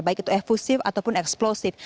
baik itu eksklusif ataupun eksplosif